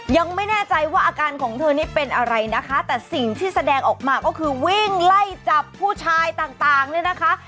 ยังไม่แน่ใจว่าอาการของเธอนี่เป็นอะไรนะคะแต่สิ่งที่แสดงออกมาก็คือวิ่งไล่จับผู้ชายต่างเนี่ยนะคะ